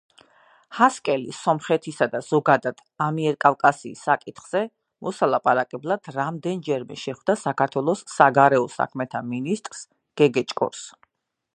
ჰასკელი სომხეთისა, და ზოგადად, ამიერკავკასიის საკითხზე მოსალაპარაკებლად რამდენჯერმე შეხვდა საქართველოს საგარეო საქმეთა მინისტრ გეგეჭკორს.